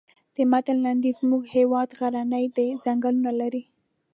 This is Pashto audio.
د متن لنډیز زموږ هېواد غرنی دی ځنګلونه لري.